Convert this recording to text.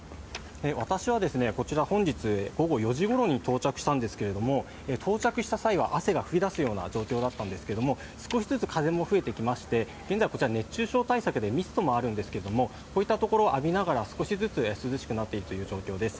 私はこちら、本日午後４時ごろに到着したんですけれども、到着した際は汗が噴き出すような状況だったんですが少しずつ風も吹いてきまして、現在こちらは熱中症対策でミストもあるんですけども、こういったところを浴びながら少しずつ涼しくなっていくという状況です。